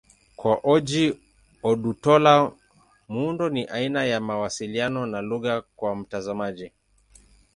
Kwa Ojih Odutola, muundo ni aina ya mawasiliano na lugha kwa mtazamaji.